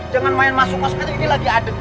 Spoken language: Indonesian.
jangan main masuk kosmetik ini lagi adegat